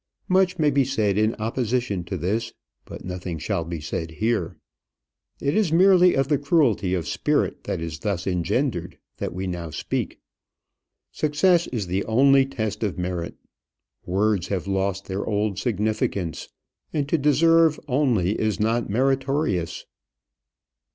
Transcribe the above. Much may be said in opposition to this; but nothing shall be said here. It is merely of the cruelty of spirit that is thus engendered that we now speak. Success is the only test of merit. Words have lost their old significance, and to deserve only is not meritorious.